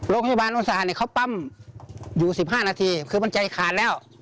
โรงพยาบาลอุตส่าห์เขาปั้มอยู่๑๕นาทีคือมันใจขาดแล้ว